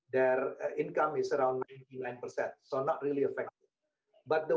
dan mereka perlu melakukan aktivitas